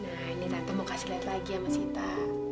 nah ini tata mau kasih liat lagi sama sita